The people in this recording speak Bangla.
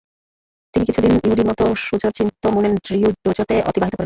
তিনি কিছু দিন ইউরিমতো শুযোর শিন্তো মুনেন রিউ ডোজোতে অতিবাহিত করেন।